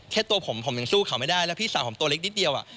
ตัวผมผมยังสู้เขาไม่ได้แล้วพี่สาวผมตัวเล็กนิดเดียว